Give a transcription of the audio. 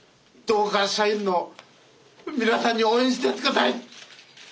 どうか社員の皆さんに応援してやって下さい！